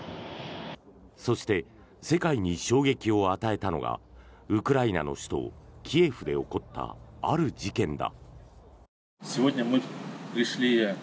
そして、世界に衝撃を与えたのがウクライナの首都キエフで起こった、ある事件だ。